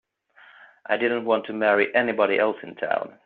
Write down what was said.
I didn't want to marry anybody else in town.